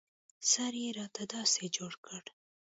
سر يې راته داسې جوړ کړ.